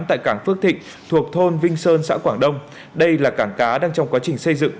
tại cảng phước thịnh thuộc thôn vinh sơn xã quảng đông đây là cảng cá đang trong quá trình xây dựng